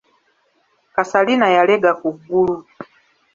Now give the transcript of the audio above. Kasalina yalega ku ggulu.